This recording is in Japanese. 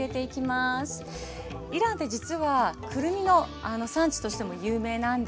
イランって実はくるみの産地としても有名なんです。